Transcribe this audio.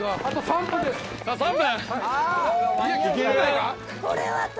３分？